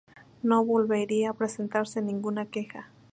No volvería a presentarse ninguna queja.